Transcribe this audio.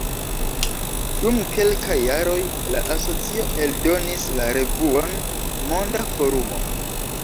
Dum kelkaj jaroj la asocio eldonis la revuon „Monda Forumo“.